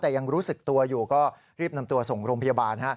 แต่ยังรู้สึกตัวอยู่ก็รีบนำตัวส่งโรงพยาบาล